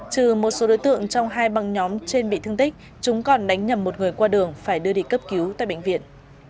trừ một số đối tượng trong hai băng nhóm trên bị thương tích chúng còn đánh nhầm một người qua đường phải đưa đi cấp cứu tại bệnh viện